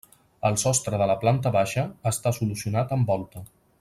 El sostre de la planta baixa està solucionat amb volta.